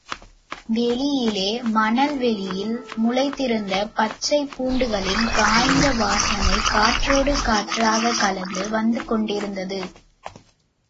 வெளியிலே, மணல் வெளியில் முளைத்திருந்த பச்சைப் பூண்டுகளின் காய்ந்த வாசனை காற்றோடு காற்றாகக் கலந்து வந்து கொண்டிருந்தது.